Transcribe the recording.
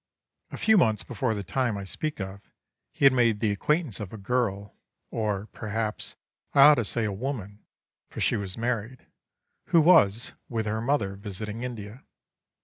A few months before the time I speak of he had made the acquaintance of a girl, or, perhaps I ought to say, a woman, for she was married, who was, with her mother, visiting India.